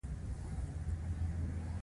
خپل او پردي مې نه پرېږدي خو سهار او ماښام.